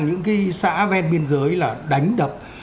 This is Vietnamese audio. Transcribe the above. những cái xã ven biên giới là đánh đập